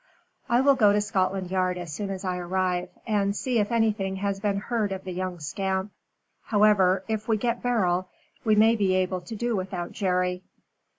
"I will go to Scotland Yard as soon as I arrive, and see if anything has been heard of the young scamp. However, if we get Beryl, we may be able to do without Jerry."